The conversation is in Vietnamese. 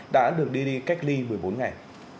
đã được đi cách ly một mươi bốn ngày